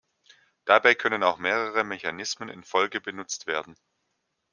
Dabei können auch mehrere Mechanismen in Folge benutzt werden.